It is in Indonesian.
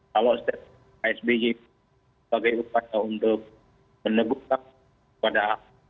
kalau setelah pak s b sebagai upaya untuk menegurkan pada